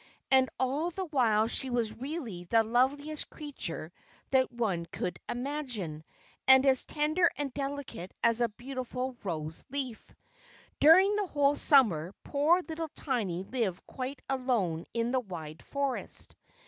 And all the while she was really the loveliest creature that one could imagine, and as tender and delicate as a beautiful rose leaf! During the whole summer poor little Tiny lived quite alone in the wide forest.